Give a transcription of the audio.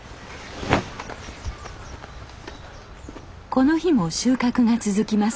この日も収穫が続きます。